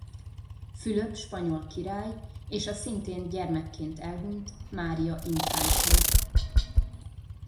Fülöp spanyol király és a szintén gyermekként elhunyt Mária infánsnő.